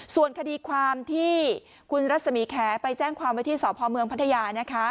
ส่วนคดีความที่คุณรัศมีแค้ไปแจ้งความวิทยาศาสตร์ภอมเมืองพัทยานะคะ